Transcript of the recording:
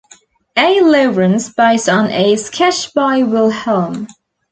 A. Lawrence, based on a sketch by Wilhelm.